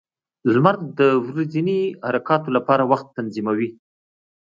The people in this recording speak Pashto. • لمر د ورځني حرکتونو لپاره وخت تنظیموي.